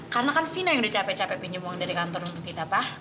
karena kan fina yang udah capek capek pinjem uang dari kantor untuk kita pa